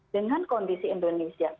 dengan kondisi indonesia